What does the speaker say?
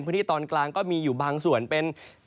พื้นที่ตอนกลางก็มีอยู่บางส่วนเป็น